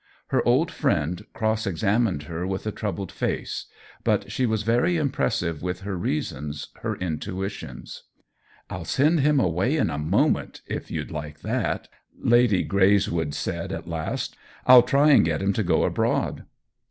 Her old friend cross examined her with a troubled face, but she was very impressive with her reasons, her intuitions. " I'll send him away in a moment, if you'd like that," Lady Greyswood said at last. " I'll try and get him to go abroad."